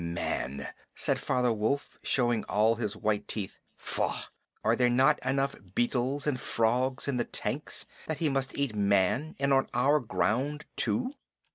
"Man!" said Father Wolf, showing all his white teeth. "Faugh! Are there not enough beetles and frogs in the tanks that he must eat Man, and on our ground too!"